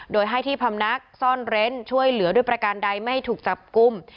โดยให้ที่พำนักซ่อนเร้นช่วยเหลือด้วยประการใดไม่ให้ถูกจับกลุ่ม